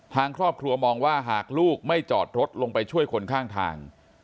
ทางครอบครัวมองว่าหากลูกไม่จอดรถลงไปช่วยคนข้างทาง